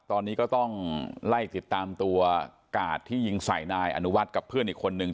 ตอนนี้ก็ต้องไล่ติดตามตัวกาดที่ยิงใส่นายอนุวัฒน์กับเพื่อนอีกคนนึง